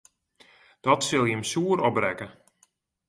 Dat sil jim soer opbrekke.